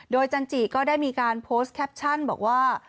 โดยจันจิก็ได้มีการโพสต์แคปชั่นบอกว่า